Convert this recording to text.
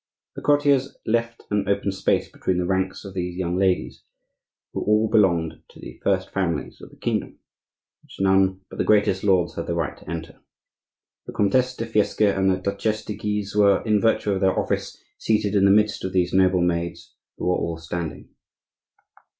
The courtiers left an open space between the ranks of these young ladies (who all belonged to the first families of the kingdom), which none but the greatest lords had the right to enter. The Comtesse de Fiesque and the Duchesse de Guise were, in virtue of their office, seated in the midst of these noble maids, who were all standing.